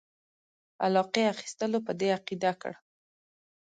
علاقې اخیستلو په دې عقیده کړ.